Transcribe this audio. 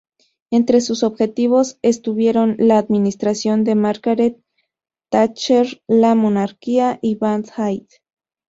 Entre sus objetivos estuvieron la administración de Margaret Thatcher, la monarquía, y Band Aid.